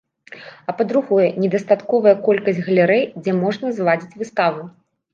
А па-другое, недастатковая колькасць галерэй, дзе можна зладзіць выставу.